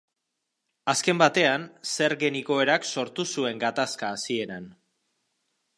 Azken batean, zergen igoerak sortu zuen gatazka hasieran.